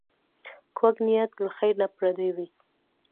کوږ نیت له خېر نه پردی وي